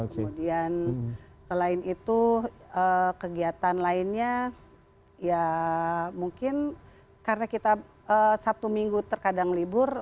kemudian selain itu kegiatan lainnya ya mungkin karena kita sabtu minggu terkadang libur